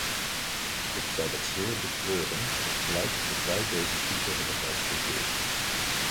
Ik zou het zeer betreuren als blijkt dat wij deze ziekte hebben geëxporteerd.